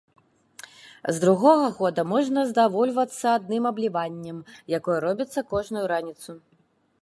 З другога года можна здавольвацца адным абліваннем, якое робіцца кожную раніцу.